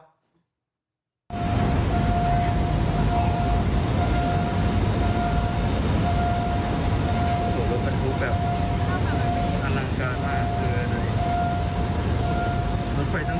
ส่งรถบรรทุกแบบอร่างการมากเกลือนึย